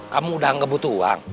kamu udah nggak butuh uang